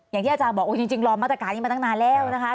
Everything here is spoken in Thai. อย่างที่อาจารย์บอกจริงรอมาตรการนี้มาตั้งนานแล้วนะคะ